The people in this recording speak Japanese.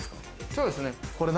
そうですね。